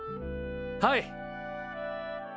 はい。